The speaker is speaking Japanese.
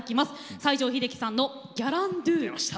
西城秀樹さんの「ギャランドゥ」